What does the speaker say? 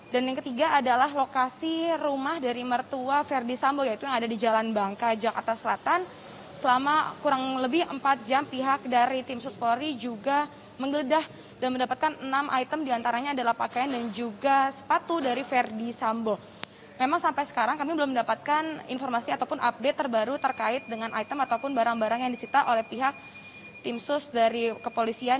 dan yang ketiga adalah lokasi rumah pribadi yang tidak jauh dari rumah dinasnya yaitu berada di jalan singgai tiga di daerah duren tiga barat jakarta selatan